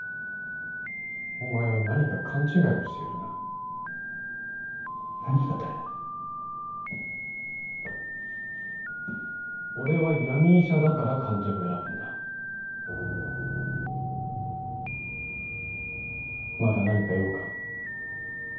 お前は何か勘違いをしているな何がだよ俺は闇医者だから患者を選ぶんだまだ何か用か？